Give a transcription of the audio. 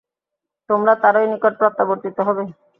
তোমরা তাঁরই নিকট প্রত্যাবর্তিত হবে।